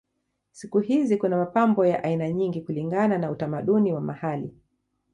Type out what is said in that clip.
Siku hizi kuna mapambo ya aina nyingi kulingana na utamaduni wa mahali.